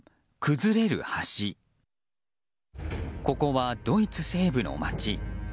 ここはドイツ西部の町。